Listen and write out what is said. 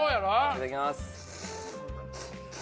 いただきます。